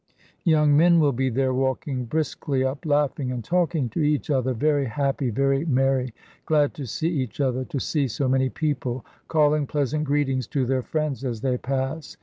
Young men will be there, walking briskly up, laughing and talking to each other, very happy, very merry, glad to see each other, to see so many people, calling pleasant greetings to their friends as they pass.